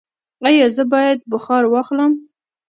ایا زه باید بخار واخلم؟